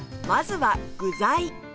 まずは具材